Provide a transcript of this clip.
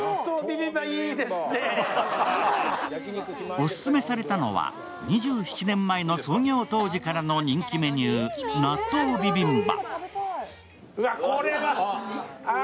オススメされたのは２７年前の創業当時からの人気メニュー納豆ビビンバ。